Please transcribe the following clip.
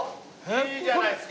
いいじゃないですか。